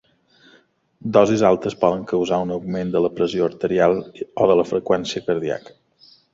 Dosis altes poden causar un augment de la pressió arterial o de la freqüència cardíaca.